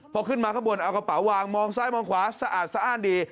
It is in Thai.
พอขึ้นมาข้างบนเอากระเป๋าวางมองซ้ายมองขวาสะอาดสะอ้านดี